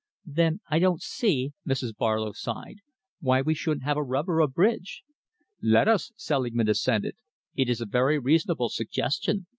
"Then I don't see," Mrs. Barlow sighed, "why we shouldn't have a rubber of bridge." "Let us," Selingman assented. "It is a very reasonable suggestion.